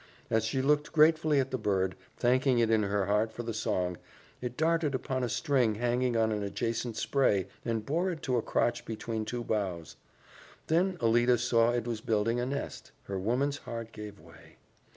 As she looked gratefully at the bird, thanking it in her heart for the song, it darted upon a string hanging on an adjacent spray and bore it to a crotch between two boughs. Then Alida saw it was building a nest. Her woman's heart gave way.